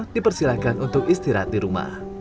dipersilahkan untuk istirahat di rumah